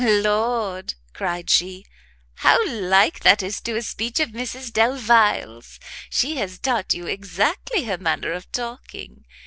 "Lord," cried she, "how like that is to a speech of Mrs Delvile's! She has taught you exactly her manner of talking.